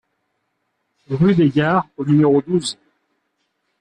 Rue des Gards au numéro douze